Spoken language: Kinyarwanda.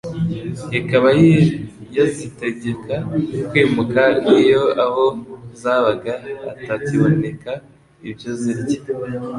Ikaba yazitegeka kwimuka nk'iyo aho zabaga hatakiboneka ibyo zirya